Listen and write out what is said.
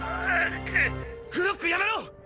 フロックやめろ！！